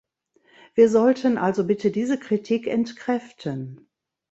Wir sollten also bitte diese Kritik entkräften.